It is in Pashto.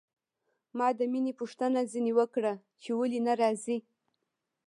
ما د مينې پوښتنه ځنې وکړه چې ولې نه راځي.